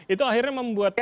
itu akhirnya membuat